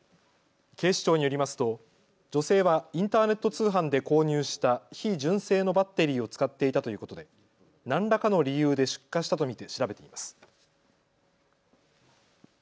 警視庁によりますと女性はインターネット通販で購入した非純正のバッテリーを使っていたということで、何らかの理由で出火したと見て調べています。